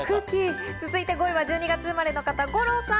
５位は１２月生まれの方、五郎さん。